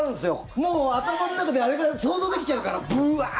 もう頭の中で、あれが想像できちゃうから。